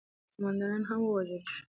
قوماندانان هم ووژل شول.